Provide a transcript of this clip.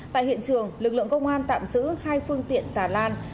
tại hiện trường lực lượng công an tạm giữ hai phương tiện xà lan